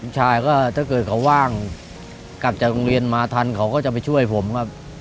ชายก็ถ้าเกิดเขาว่างกลับจากโรงเรียนมาทันเขาก็จะไปช่วยผมครับ